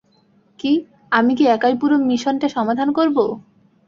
কি, আমি কি একাই পুরো মিশনটা সমাধান করব?